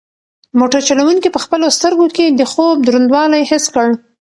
موټر چلونکي په خپلو سترګو کې د خوب دروندوالی حس کړ.